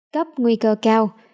cấp nguy cơ cao